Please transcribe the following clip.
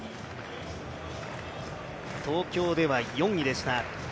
東京では４位でした。